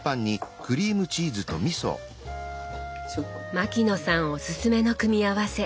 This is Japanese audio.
牧野さんおすすめの組み合わせ。